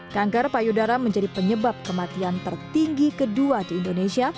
kanker payudara menjadi penyebab kematian tertinggi kedua di indonesia